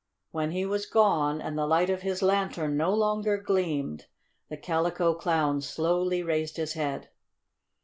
When he was gone, and the light of his lantern no longer gleamed, the Calico Clown slowly raised his head.